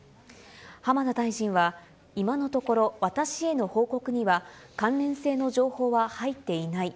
浜田大臣は、今のところ私への報告には関連性の情報は入っていない。